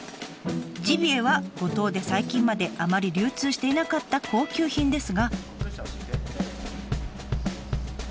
ジビエは五島で最近まであまり流通していなかった高級品ですが。